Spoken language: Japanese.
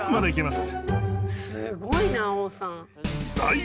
すごいな王さん。